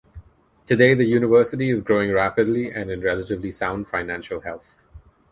Today the university is growing rapidly and in relatively sound financial health.